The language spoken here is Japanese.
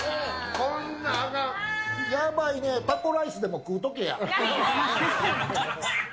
やばいね、タコライスでも食うとけや。